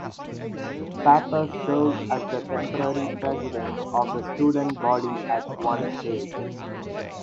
Pappas served as the temporary president of the student body at one stage.